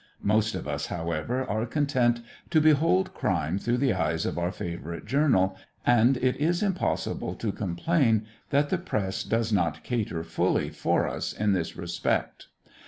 Most of us, however, are content to behold crime through the eyes of our favourite journal and it is impossible to complain that the press does not cater fully for us in this respect.